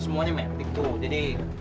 semuanya metik tuh jadi